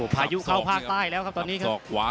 พายุเข้าภาคใต้แล้วครับตอนนี้ครับ